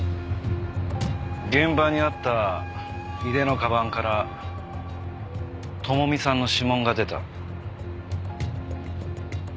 現場にあった井出の鞄から朋美さんの指紋が出た。